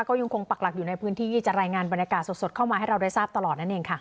ก็ยังคงปักหลักอยู่ในพื้นที่ที่จะรายงานบรรยากาศสดเข้ามาให้เราได้ทราบตลอดนั่นเองค่ะ